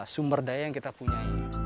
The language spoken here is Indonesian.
sumber daya yang kita punya